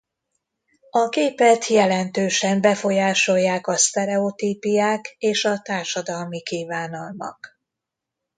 A képet jelentősen befolyásolják a sztereotípiák és a társadalmi kívánalmak.